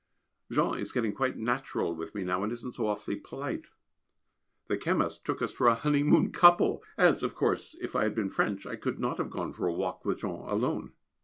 Jean is getting quite natural with me now, and isn't so awfully polite. The chemist took us for a honeymoon couple (as, of course, if I had been French I could not have gone for a walk with Jean alone).